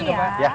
makasih ya pak